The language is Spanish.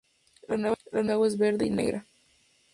La de Nueva Chicago es verde y negra.